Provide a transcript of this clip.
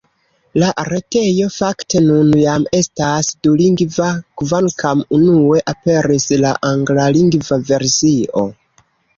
La retejo, fakte, nun jam estas dulingva, kvankam unue aperis la anglalingva versio.